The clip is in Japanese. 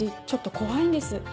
ちょっと怖いんです